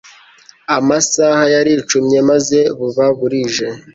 Amasaha yaricumye maze buba burije